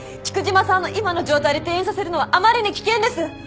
菊島さんの今の状態で転院させるのはあまりに危険です。